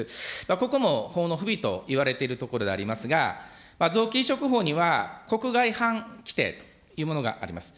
ここも法の不備といわれているところでありますが、臓器移植法には国外犯規定というものがあります。